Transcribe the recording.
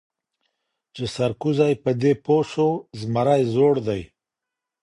چي سرکوزی په دې پوه سو زمری زوړ دی